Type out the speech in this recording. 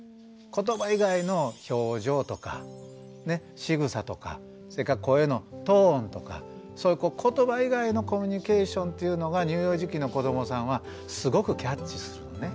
言葉以外の表情とか仕草とかそれから声のトーンとかそういう言葉以外のコミュニケーションというのが乳幼児期の子どもさんはすごくキャッチするのね。